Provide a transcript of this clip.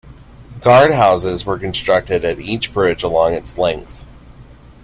Guard houses were constructed at each bridge along its length.